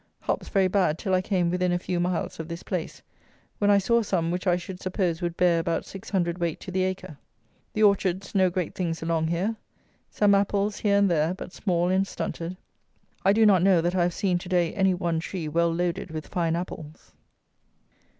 Hops very bad till I came within a few miles of this place, when I saw some which I should suppose would bear about six hundredweight to the acre. The orchards no great things along here. Some apples here and there; but small and stunted. I do not know that I have seen to day any one tree well loaded with fine apples.